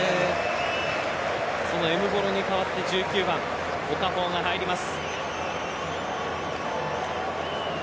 そのエムボロに代わって１９番オカフォーが入ります。